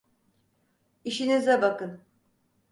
İşinize bakın!